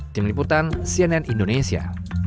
tim liputan cnn indonesia